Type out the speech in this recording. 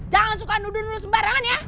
jangan suka nudu nudu sembarangan ya